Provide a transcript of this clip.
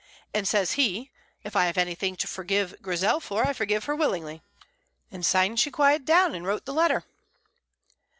And says he, 'If I have anything to forgive Grizel for, I forgive her willingly.' And syne she quieted down and wrote the letter."